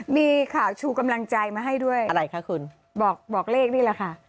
มีข่าวชูกำลังใจมาให้ด้วยบอกเลขนี่แหละค่ะ